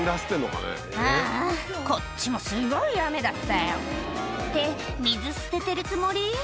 「ああこっちもすごい雨だったよ」って水捨ててるつもり？